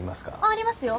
ありますよ。